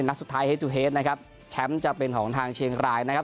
นัดสุดท้ายเฮสตูเฮดนะครับแชมป์จะเป็นของทางเชียงรายนะครับ